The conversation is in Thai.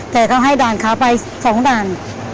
แต่ก็ให้ด่านขาวไฟสองด่าน